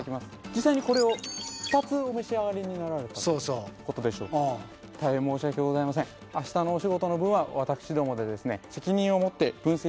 実際にこれを２つお召し上がりになられたとそうそう大変申し訳ございません明日のお仕事の分は私どもでですね